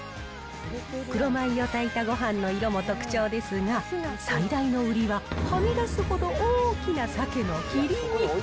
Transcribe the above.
黒米を炊いたご飯の色も特徴ですが、最大の売りは、はみ出すほど大きなサケの切り身。